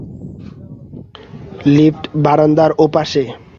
Lift বারান্দার ওপাশে।